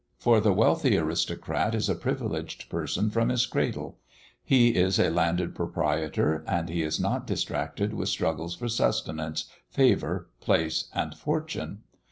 For the wealthy aristocrat is a privileged person from his cradle; he is a landed proprietor, and he is not distracted with struggles for sustenance, favour, place, and fortune.